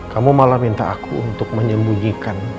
kamu malah minta aku untuk menyembunyikan